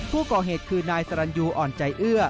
ผู้ก่อเหตุคือนายสรรยูอ่อนใจเอื้อ